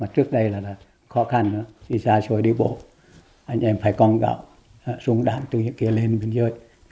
trước đây là khó khăn đi xa rồi đi bộ anh em phải con gạo dùng đạn từ những kia lên biên giới